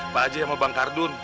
pak haji sama bang kardun